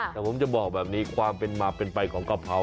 แต่ผมจะบอกแบบนี้ความเป็นมาเป็นไปของกะเพรา